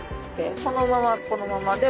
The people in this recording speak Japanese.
このままこのまま」